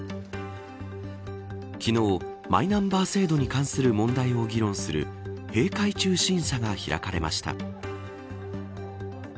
昨日、マイナンバー制度に関する問題を議論する閉会中審査が開かれました。